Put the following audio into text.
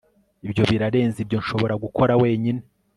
ibyo birarenze ibyo nshobora gukora wenyine